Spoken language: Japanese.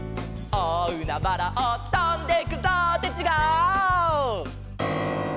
「おおうなばらをとんでくぞ」ってちがう！